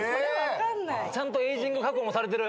ちゃんとエイジング加工もされてる。